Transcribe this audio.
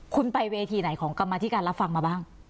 คุณไปเวทีไหนของกรรมธิการรับฟังมาบ้าง